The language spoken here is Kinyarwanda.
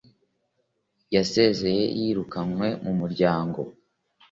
yasezeye yirukanwe mu muryango